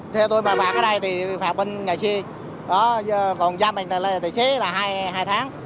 theo tôi mà bạn ở đây thì phạt bên nhà xe còn gia mệnh là tài xế là hai tháng